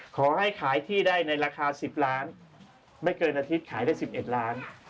ขอให้ขายที่ได้ในราคา๑๐ล้านไม่เกินอาทิตย์ขายได้๑๑ล้าน